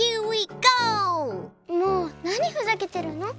もうなにふざけてるの？